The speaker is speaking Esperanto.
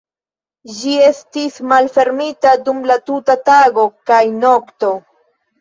Ĝi estis malfermita dum la tuta tago kaj nokto.